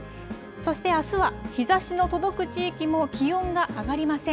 そしてあすは、日ざしの届く地域も気温が上がりません。